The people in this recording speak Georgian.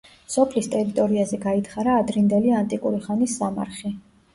სოფლის ტერიტორიაზე გაითხარა ადრინდელი ანტიკური ხანის სამარხი.